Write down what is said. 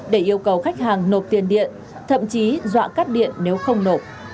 để yêu cầu khách hàng nộp tiền điện thậm chí dọa cắt điện nếu không nộp